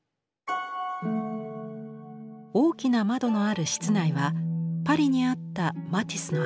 大きな窓のある室内はパリにあったマティスのアトリエです。